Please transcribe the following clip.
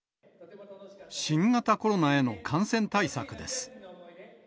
新型コロナへの感染対策です。